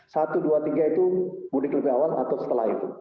satu dua tiga itu mudik lebih awal atau setelah itu